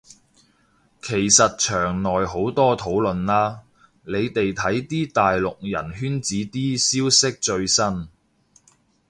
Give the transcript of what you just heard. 其實牆內好多討論啦，你哋睇啲大陸人圈子啲消息最新